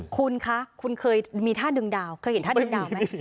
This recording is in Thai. คุณคะคุณเคยมีท่าดึงดาวเคยเห็นท่าดึงดาวไหม